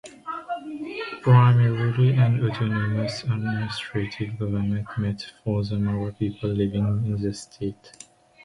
Primarily, an autonomous administrative government meant for the Mara people living in the state.